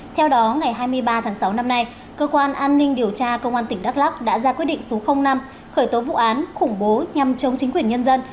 theo đó ngày hai mươi ba tháng sáu năm nay cơ quan an ninh điều tra công an tỉnh đắk lắc đã ra quyết định số năm khởi tố vụ án khủng bố nhằm chống chính quyền nhân dân